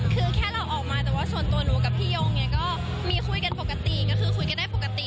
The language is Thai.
คือแค่เราออกมาแต่ว่าส่วนตัวหนูกับพี่ยงเนี่ยก็มีคุยกันปกติก็คือคุยกันได้ปกติ